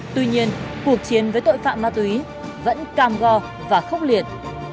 tuy nhiên cuộc chiến với tội phạm ma túy vẫn cam go và khốc liệt